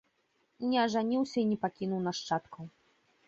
Не ажаніўся і не пакінуў нашчадкаў.